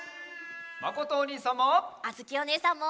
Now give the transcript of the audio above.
まことおにいさんも！